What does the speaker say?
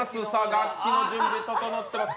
楽器の準備整ってます。